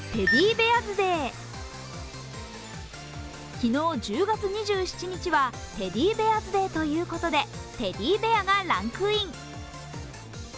昨日１０月２７日はテディベアズ・デーということでテディベアがランクイン。